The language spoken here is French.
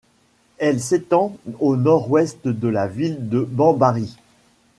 Elle s’étend au nord-ouest de la ville de Bambari.